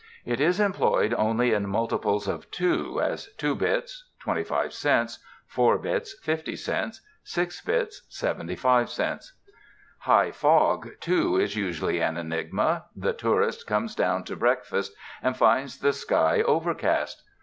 It is employed only in multiples of two, as two bits, twenty five cents ; four bits, fifty cents ; six bits, sev enty five cents, ''High fog," too, is usually an enigma. The tour ist comes down to breakfast and finds the sky over cast.